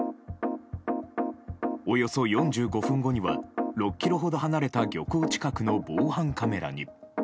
およそ４５分後には６ｋｍほど離れた漁港近くの防犯カメラに。